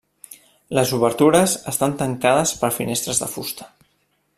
Les obertures estan tancades per finestres de fusta.